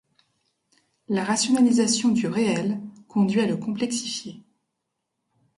La rationalisation du réel, conduit à le complexifier.